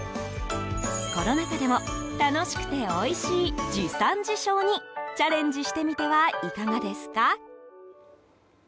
コロナ禍でも楽しくておいしい自産自消にチャレンジしてみてはいかがですか？